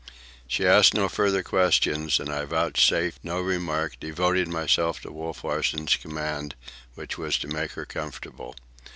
She asked no further questions, and I vouchsafed no remark, devoting myself to Wolf Larsen's command, which was to make her comfortable.